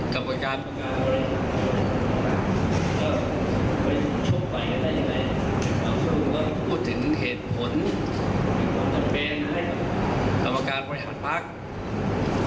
กรรมการบริหารภักดิ์พูดถึงเหตุผลเป็นกรรมการบริหารภักดิ์